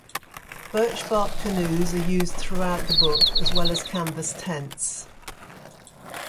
Birchbark canoes are used throughout the book, as well as canvas tents.